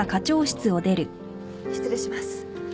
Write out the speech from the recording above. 失礼します。